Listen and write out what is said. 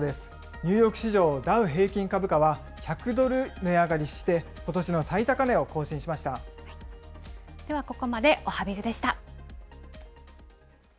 ニューヨーク市場、ダウ平均株価は１００ドル値上がりして、ことしの最高値を更新しではここまでおはＢｉｚでした。